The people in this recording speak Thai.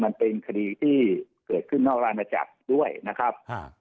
มันเป็นคิดีเกิดขึ้นนอกละมาจากด้วยนะครับ